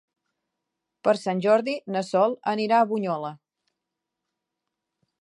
Per Sant Jordi na Sol anirà a Bunyola.